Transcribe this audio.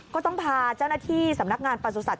ก็ต้องพาเจ้าหน้าที่สำนักงานประสูจน์สัตว์